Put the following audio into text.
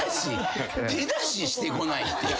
手出ししてこないって。